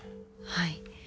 はい。